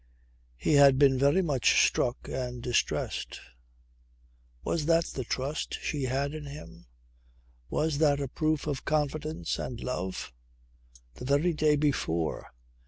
He had been very much struck and distressed. Was that the trust she had in him? Was that a proof of confidence and love? The very day before!